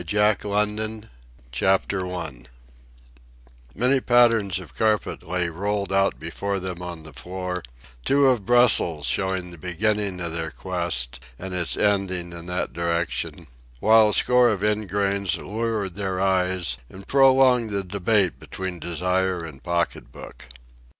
ac.uk THE GAME CHAPTER I Many patterns of carpet lay rolled out before them on the floor two of Brussels showed the beginning of their quest, and its ending in that direction; while a score of ingrains lured their eyes and prolonged the debate between desire pocket book.